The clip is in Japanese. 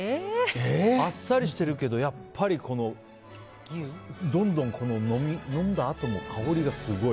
あっさりしてるけどやっぱりどんどん飲んだあとも香りがすごい。